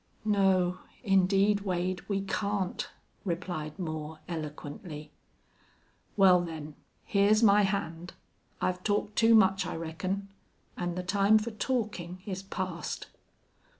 "No, indeed, Wade, we can't," replied Moore, eloquently. "Well, then, here's my hand. I've talked too much, I reckon. An' the time for talkin' is past."